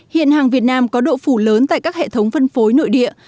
hiện hàng việt nam có độ phủ lớn tại các hệ thống phân phối nội địa